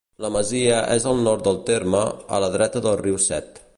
La masia és al nord del terme, a la dreta del riu Set.